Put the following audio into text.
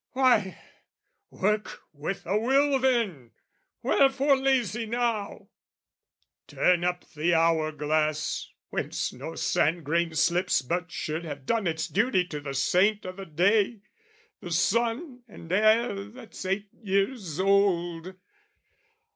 Why, work with a will, then! Wherefore lazy now? Turn up the hour glass, whence no sand grain slips But should have done its duty to the saint O' the day, the son and heir that's eight years old!